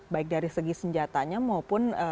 baik dari segi senjatanya maupun